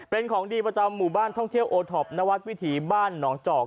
เป็นของดีประจำหมู่บ้านท่องเที่ยวโอท็อปนวัดวิถีบ้านหนองจอก